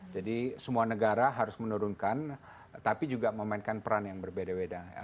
jadi semua negara harus menurunkan tapi juga memainkan peran yang berbeda beda